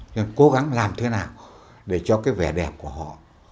nhưng cố gắng làm thế nào để cho cái vẻ đẹp của họ